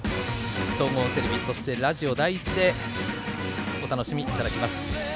総合テレビ、そしてラジオ第一でお楽しみいただけます。